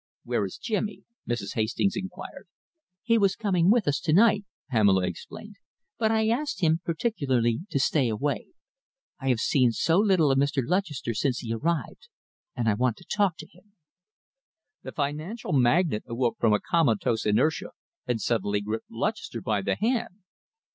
"Where is Jimmy?" Mrs. Hastings inquired. "He was coming with us to night," Pamela explained, "but I asked him particularly to stay away. I have seen so little of Mr. Lutchester since he arrived, and I want to talk to him." The financial magnate awoke from a comatose inertia and suddenly gripped Lutchester by the hand.